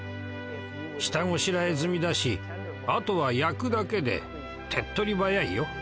下ごしらえ済みだしあとは焼くだけで手っとり早いよ。